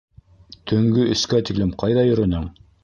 Төнгө өскә тиклем ҡайҙа йөрөнөң?